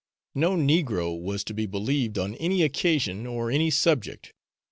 No negro was to be believed on any occasion or any subject.